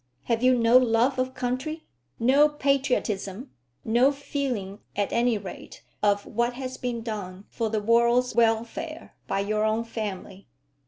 Have you no love of country, no patriotism, no feeling at any rate of what has been done for the world's welfare by your own family?"